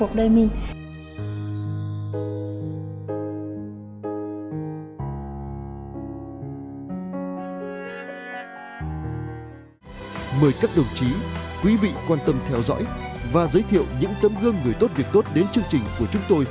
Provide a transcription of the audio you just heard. mời các đồng chí quý vị quan tâm theo dõi và giới thiệu những tấm gương người tốt việc tốt đến chương trình của chúng tôi